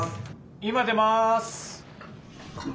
今出ます。